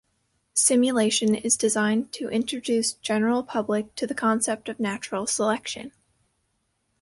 Simulation is designed to introduce general public to the concept of natural selection.